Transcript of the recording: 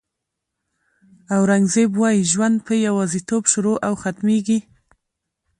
اورنګزېب وایي ژوند په یوازېتوب شروع او ختمېږي.